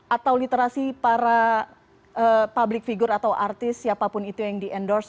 atau literasi para public figure atau artis siapapun itu yang di endorse